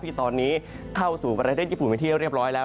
ที่ตอนนี้เข้าสู่ประเทศญี่ปุ่นไปที่เรียบร้อยแล้ว